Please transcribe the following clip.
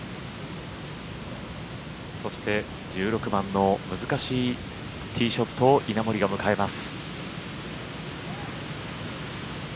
そして１６番の難しいティーショットを稲森が迎えます。